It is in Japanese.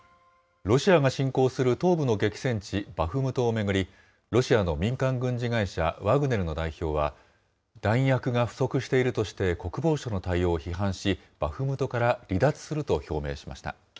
ロシアが侵攻する東部の激戦地バフムトを巡り、ロシアの民間軍事会社ワグネルの代表は、弾薬が不足しているとして国防省の対応を批判し、バフムトから離脱すると表明しました。